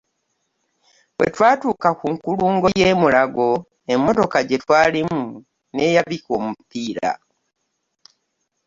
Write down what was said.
Bwe twatuuka ku nkulungo y'e Mulago emmotoka gye twalimu n'eyabika omupiira.